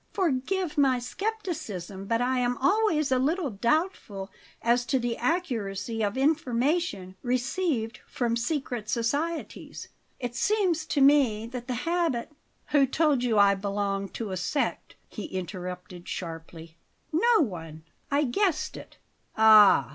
Forgive my scepticism, but I am always a little doubtful as to the accuracy of information received from secret societies. It seems to me that the habit " "Who told you I belonged to a 'sect'?" he interrupted sharply. "No one; I guessed it." "Ah!"